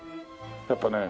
やっぱね